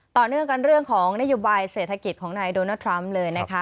ต่อเนื่องกันเรื่องของนโยบายเศรษฐกิจของนายโดนัลดทรัมป์เลยนะคะ